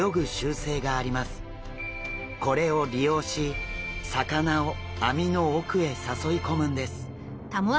これを利用し魚を網の奥へ誘い込むんです。